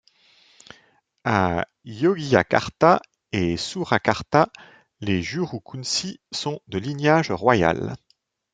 À Yogyakarta et Surakarta, les juru kunci sont de lignage royal.